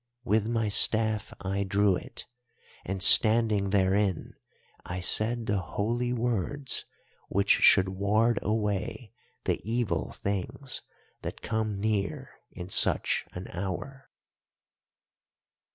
With my staff I drew it, and standing therein I said the holy words which should ward away the evil things that come near in such an hour.